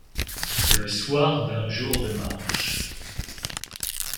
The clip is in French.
Le soir d’un jour de marche